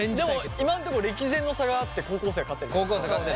今んとこ歴然の差があって高校生が勝ってる。